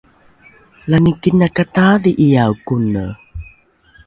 lani kinakataadhi’ae kone